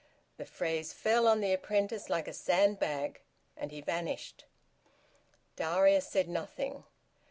The phrase fell on the apprentice like a sandbag, and he vanished. Darius said nothing.